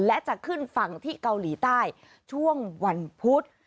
และจะขึ้นฝั่งที่เกาหลีใต้ช่วงวันพุธ